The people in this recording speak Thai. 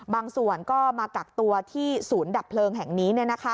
บางส่วนก็มากักตัวที่ศูนย์ดับเพลิงแห่งนี้